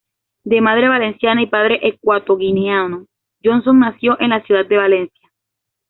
De madre valenciana y padre ecuatoguineano, Johnson nació en la ciudad de Valencia.